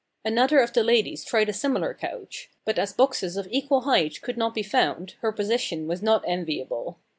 Another of the ladies tried a similar couch; but as boxes of equal height could not be found, her position was not enviable.